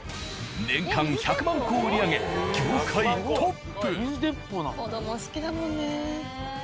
年間１００万個を売り上げ業界トップ。